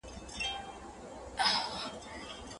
د کور په کارونو کې مرسته کول د کوم نبوي سنت برخه ده؟